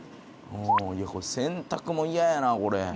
もう洗濯物嫌やなこれ。